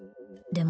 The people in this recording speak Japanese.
で